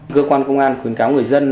cơ quan công an khuyến cáo người dân